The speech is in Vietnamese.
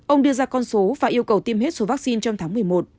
ông đưa ra con số và yêu cầu tiêm hết số vaccine trong tháng một mươi một